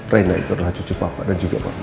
reina itu adalah cucu papa dan juga bapak